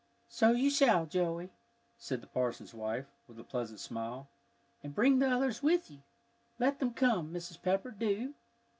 "So you shall, Joey," said the parson's wife, with a pleasant smile, "and bring the others with you. Let them come, Mrs. Pepper, do."